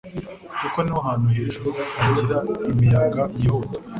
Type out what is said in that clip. kuko niho hantu hejuru hagira imiyaga yihuta